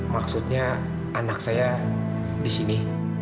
maksudnya anak saya disini